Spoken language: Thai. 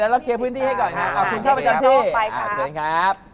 แล้วเราเคลียร์พื้นที่ให้ก่อนนะครับพิมพ์เข้าไปกันที่อ่าเชิญครับอ่าเชิญครับ